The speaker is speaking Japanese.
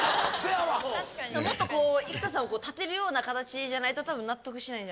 もっとこう生田さんを立てるような形じゃないと多分納得しないんじゃないかな。